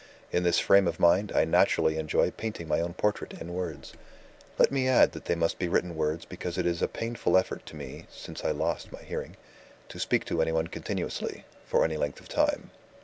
In this frame of mind, I naturally enjoy painting my own portrait in words. Let me add that they must be written words because it is a painful effort to me (since I lost my hearing) to speak to anyone continuously, for any length of time.